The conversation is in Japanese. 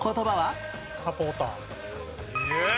サポーター。